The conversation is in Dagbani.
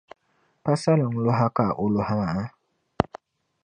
Pa saliŋ' lɔha ka o lɔhi maa?